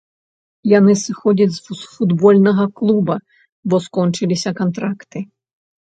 Яны сыходзяць з футбольнага клуба, бо скончыліся кантракты.